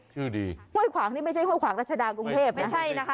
ชื่อดีห้วยขวางนี่ไม่ใช่ห้วยขวางรัชดากรุงเทพไม่ใช่นะคะ